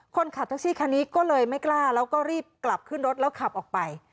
คนขับแท็กซี่คันนี้ก็เลยไม่กล้าแล้วก็รีบกลับขึ้นรถแล้วขับออกไป